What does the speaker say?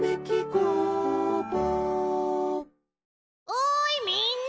・おいみんな！